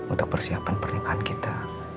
untuk persiapan pernikahan kita